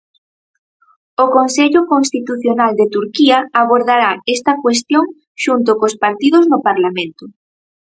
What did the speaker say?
"O Consello Constitucional de Turquía abordará esta cuestión xunto cos partidos no Parlamento".